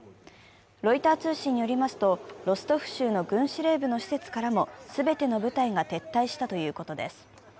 ロイター通信によりますとロストフ州の軍司令部の施設からも全ての部隊が撤退したということです。